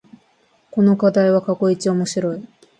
この課題は過去一面白い